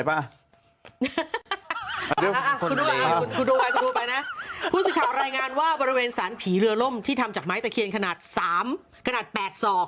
อ่ะรายงานว่าบริเวณสารผีเรือร่มที่ทำจากไม้แต่เขียนขนาด๓กระดาษ๘สอบ